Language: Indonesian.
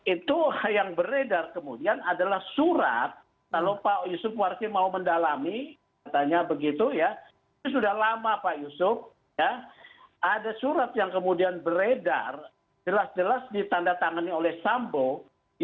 itu yang beredar kemudian adalah surat kalau pak yusuf warsi mau mendalami katanya begitu ya itu sudah lama pak yusuf ada surat yang kemudian beredar jelas jelas ditanda tangani oleh sambo